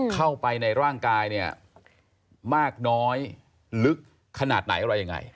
เข้าไปในร่างกายมากน้อยลึกขนาดไหนอะไรอย่างไร